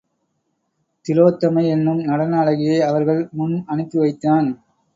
திலோத்தமை என்னும் நடன அழகியை அவர்கள் முன் அனுப்பி வைத்தான்.